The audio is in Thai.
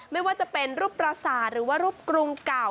ไม่ว่าจะเป็นรูปประสาทหรือว่ารูปกรุงเก่า